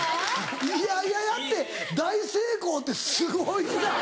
嫌々やって大成功ってすごいな。